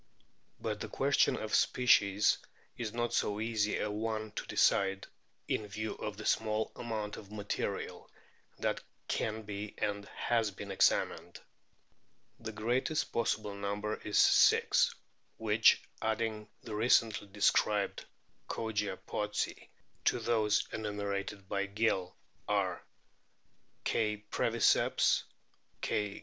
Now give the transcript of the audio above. But the question of species is not so easy a one to decide, in view of the small amount of material that can be and has been examined. The greatest possible number is six, which adding the recently described Kogia pottsi to those enumerated by Gill are K. breviceps, K.